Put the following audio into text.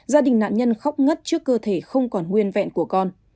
gia đình nạn nhân khóc ngất trước cơ thể không còn nguyên vẹn của con